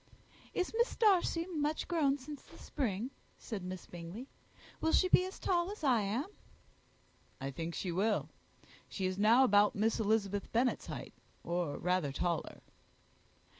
"Is Miss Darcy much grown since the spring?" said Miss Bingley: "will she be as tall as I am?" "I think she will. She is now about Miss Elizabeth Bennet's height, or rather taller."